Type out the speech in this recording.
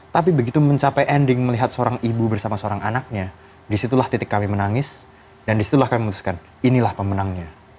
tapi begitu mencapai ending melihat seorang ibu bersama seorang anaknya disitulah titik kami menangis dan disitulah kami memutuskan inilah pemenangnya